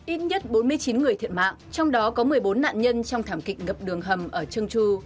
ít nhất bốn mươi chín người thiệt mạng trong đó có một mươi bốn nạn nhân trong thảm kịch ngập đường hầm ở trương chu